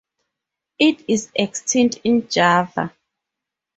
It is extinct in Java.